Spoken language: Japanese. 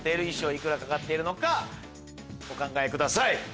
いくらかかっているかお考えください。